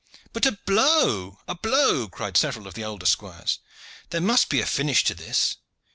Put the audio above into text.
"But a blow! a blow!" cried several of the older squires. "There must be a finish to this."